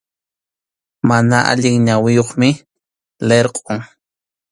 Mana allin ñawiyuqmi, lirqʼum.